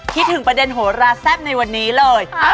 คิดถึงประเด็นโหราแซ่บในวันนี้เลย